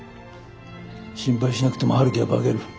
心配しなくても陽樹は化ける。